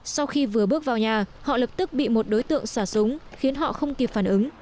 sau khi vừa bước vào nhà họ lập tức bị một đối tượng xả súng khiến họ không kịp phản ứng